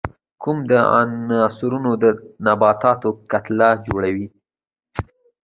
کوم عنصرونه د نباتاتو کتله جوړي؟